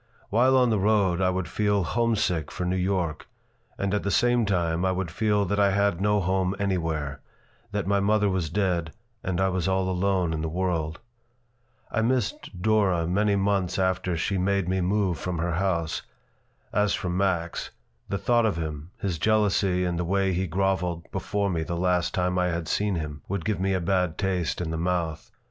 While on the road I would feel homesick for New York, and at the same time I would feel that I had no home anywhere, that my mother was dead and I was all alone in the world. I missed Dora many months after she made me move from her house. As for Max, the thought of him, his jealousy and the way he groveled before me the last time I had seen him, would give me a bad taste in the mouth.